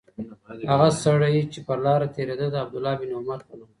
هغه سړی چې پر لاره تېرېده د عبدالله بن عمر په نوم و.